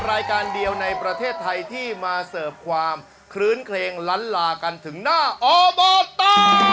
รายการเดียวในประเทศไทยที่มาเสิร์ฟความคลื้นเคลงล้านลากันถึงหน้าอบต